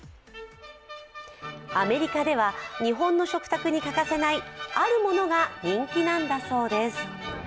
アメリカでは日本の食卓に欠かせない、あるものが人気なんだそうです。